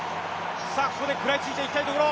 ここで食らいついていきたいところ。